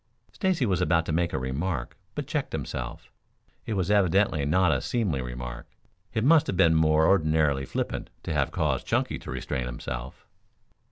Stacy was about to make a remark, but checked himself. It was evidently not a seemly remark. It must have been more than ordinarily flippant to have caused Chunky to restrain himself.